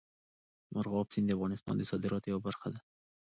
مورغاب سیند د افغانستان د صادراتو یوه برخه ده.